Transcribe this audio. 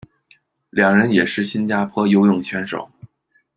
两人也是新加坡游泳选手。